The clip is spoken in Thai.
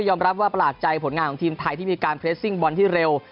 รับว่าประหลาดใจผลงานของทีมไทยที่มีการเพลสซิ่งบอลที่เร็ว